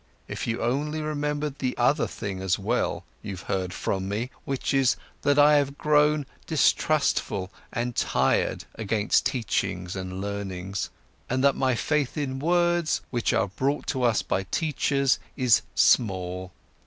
If you only remembered the other thing as well, you've heard from me, which is that I have grown distrustful and tired against teachings and learning, and that my faith in words, which are brought to us by teachers, is small.